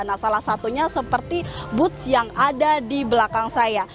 nah salah satunya seperti boots yang ada di belakang saya